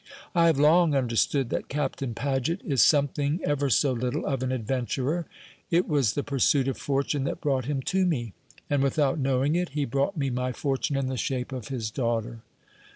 I have long understood that Captain Paget is something ever so little of an adventurer. It was the pursuit of fortune that brought him to me; and without knowing it, he brought me my fortune in the shape of his daughter."